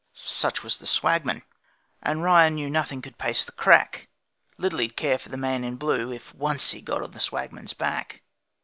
Such was the Swagman; and Ryan knew Nothing about could pace the crack; Little he'd care for the man in blue If once he got on the Swagman's back.